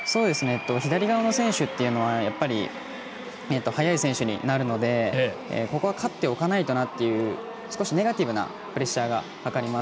左側の選手というのはやっぱり速い選手になるので勝っておかないとなという少しネガティブなプレッシャーがかかります。